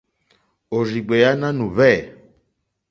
Òrzìɡbèá nánù hwɛ̂.